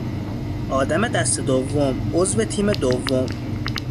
آدم دست دوم، عضو تیم دوم